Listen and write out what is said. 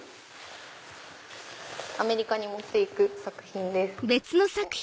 アメリカに持って行く作品です。